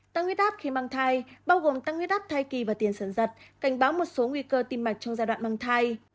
tăng nguyết áp khi mang thai bao gồm tăng nguyết áp thai kỳ và tiền sản dật cảnh báo một số nguy cơ tim mạch trong giai đoạn mang thai